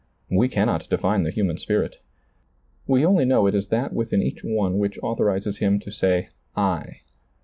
We cannot define the human spirit. We only know it is that within each one which authorizes him to say I.